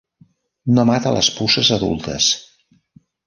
No mata les puces adultes.